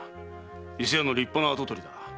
伊勢屋の立派な跡取りだ。